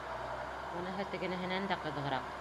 Быныһы тегенеһенән дә ҡыҙығыраҡ.